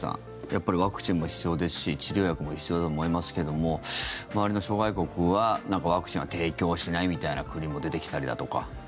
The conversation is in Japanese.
やっぱりワクチンも必要ですし治療薬も必要だと思いますけども周りの諸外国はワクチンは提供しないみたいな国も出てきたりだとか。